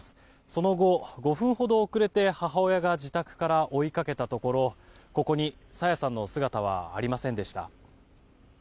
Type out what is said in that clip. その後、５分ほど遅れて母親が自宅から追いかけたところここに朝芽さんの姿はありませんでした。